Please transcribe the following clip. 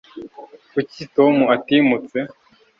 kuki tom atimutse